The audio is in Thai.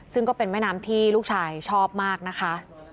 ซึ่งก็เป็นแม่น้ำที่ลูกชายชอบมากนะคะ